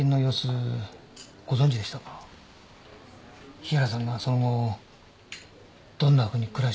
日原さんがその後どんなふうに暮らしてたか。